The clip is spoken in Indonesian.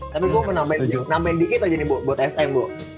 tapi gue mau namain dikit aja nih buat sm boh